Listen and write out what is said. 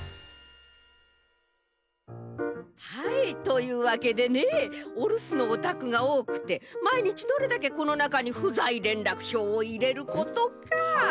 はいというわけでねおるすのおたくがおおくてまいにちどれだけこのなかにふざいれんらくひょうをいれることか。